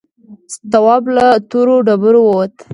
تواب له تورو ډبرو ووت.